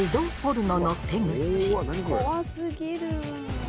怖すぎる！